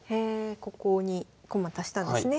ここに駒足したんですね